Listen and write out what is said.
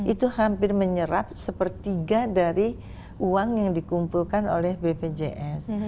itu hampir menyerap sepertiga dari uang yang dikumpulkan oleh bpjs